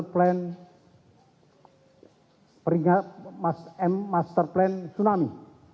peringat master plan tsunami